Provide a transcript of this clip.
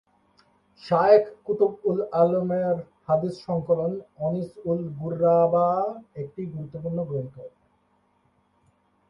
শায়খ কুতব-উল আলমের হাদীস সংকলন অনীস-উল-গুরাবা একটি গুরুত্বপূর্ণ গ্রন্থ।